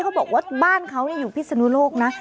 เขาบอกว่าบ้านเขาอยู่พิศนุโลกนะ